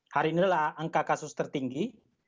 hari ini adalah angka kasus tertinggi